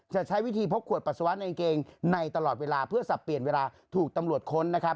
จะใช้วิธีพกขวดปัสสาวะในกางเกงในตลอดเวลาเพื่อสับเปลี่ยนเวลาถูกตำรวจค้นนะครับ